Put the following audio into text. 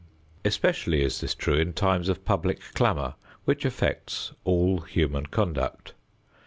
Especially is this true in times of public clamor, which affects all human conduct.